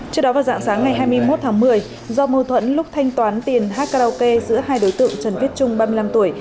trước đó vào dạng sáng ngày hai mươi một tháng một mươi do mâu thuẫn lúc thanh toán tiền hát karaoke giữa hai đối tượng trần viết trung ba mươi năm tuổi